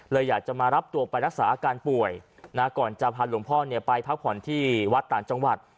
อยากจะมารับตัวไปรักษาอาการป่วยนะก่อนจะพาหลวงพ่อไปพักผ่อนที่วัดต่างจังหวัด